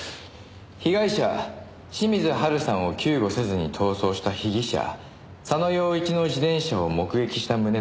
「被害者清水ハルさんを救護せずに逃走した被疑者佐野陽一の自転車を目撃した旨の証言を得た」